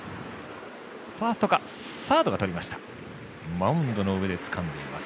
マウンドの上でつかんでいます。